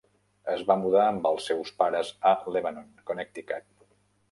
Es va mudar amb els seus pares a Lebanon, Connecticut.